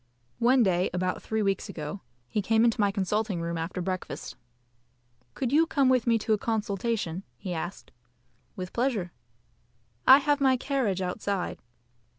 One day about three weeks ago he came into my consulting room after breakfast. "Could you come with me to a consultation?" he asked. "With pleasure." "I have my carriage outside."